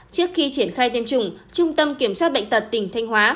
trước khi triển khai tiêm chủng trung tâm kiểm soát bệnh tật tỉnh thanh hóa